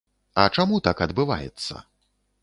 А чаму так адбываецца?